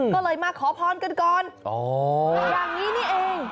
ก็เลยมาขอพรกันก่อนอย่างนี้นี่เอง